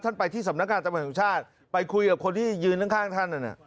ไปที่สำนักงานตำรวจแห่งชาติไปคุยกับคนที่ยืนข้างท่านนั่นน่ะ